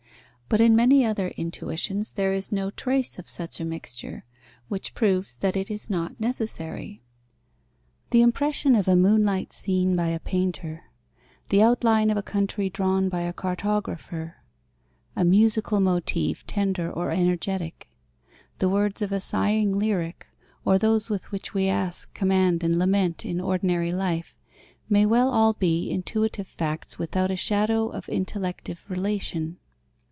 But in many other intuitions there is no trace of such a mixture, which proves that it is not necessary. The impression of a moonlight scene by a painter; the outline of a country drawn by a cartographer; a musical motive, tender or energetic; the words of a sighing lyric, or those with which we ask, command and lament in ordinary life, may well all be intuitive facts without a shadow of intellective relation.